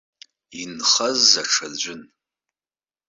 Инхаз аҽаӡәын.